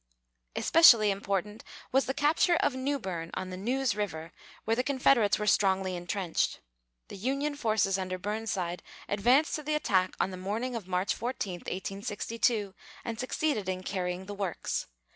Especially important was the capture of Newberne, on the Neuse River, where the Confederates were strongly intrenched. The Union forces under Burnside advanced to the attack on the morning of March 14, 1862, and succeeded in carrying the works.